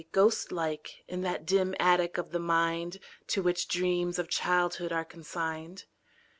Ghost like, in that dim attic of the mind To which the dreams of childhood are consigned.